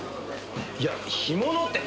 いや干物って！